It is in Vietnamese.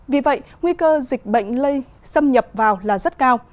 vì vậy nguy cơ dịch bệnh lây xâm nhập vào là rất cao